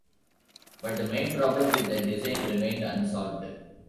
But the main problem with the design remained unsolved.